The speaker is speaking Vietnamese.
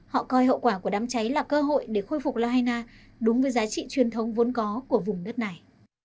họ coi hậu quả của đám cháy là cơ hội để khôi phục lahaina đúng với giá trị truyền thống vốn có của vùng đất này